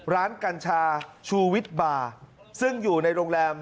กัญชาชูวิทย์บาร์ซึ่งอยู่ในโรงแรม